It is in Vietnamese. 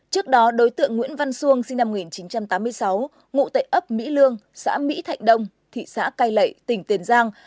trước đó đối tượng nguyễn văn xuông sinh năm một nghìn chín trăm tám mươi sáu ngụ tệ ấp mỹ lương xã mỹ thạnh đông thị xã cai lậy tỉnh tiền giang